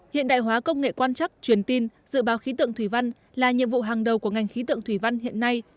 hiện đại hóa công nghệ quan chắc truyền tin dự báo khí tượng thủy văn là nhiệm vụ hàng đầu của ngành khí tượng thủy văn hiện nay